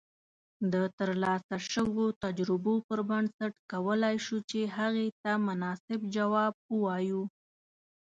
د ترلاسه شويو تجربو پر بنسټ کولای شو چې هغې ته مناسب جواب اوایو